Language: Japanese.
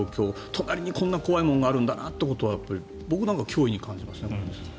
隣にこんな怖いものがあるんだなというのは僕は脅威に感じます。